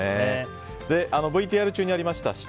ＶＴＲ中にありました